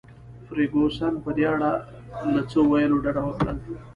فرګوسن په دې اړه له څه ویلو ډډه وکړل.